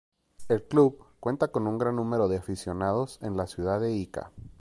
El club cuenta con un gran número de aficionados en la ciudad de Ica.